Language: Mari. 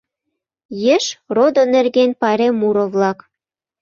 Еш, родо нерген пайрем муро-влак.